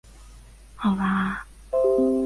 奥拉阿。